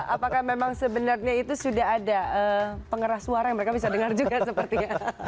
apakah memang sebenarnya itu sudah ada pengeras suara yang mereka bisa dengar juga sepertinya